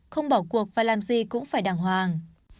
không bỏ cuộc và làm gì cũng phải đàng hoàng